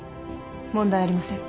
問題ありません。